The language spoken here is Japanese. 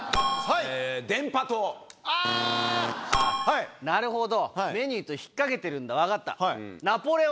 ピンポンなるほどメニューと引っ掛けてるんだ分かった。